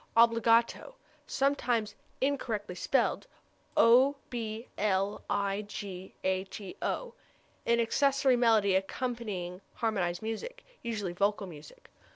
Obbligato (sometimes incorrectly spelled obligato) an accessory melody accompanying harmonized music, (usually vocal music).